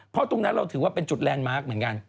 เพราะตรงนั้นเราถือว่าเป็นจุดแลนดมาร์คเหมือนกัน